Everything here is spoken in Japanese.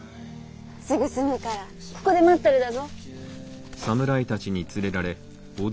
すぐ済むからここで待っとるだぞ。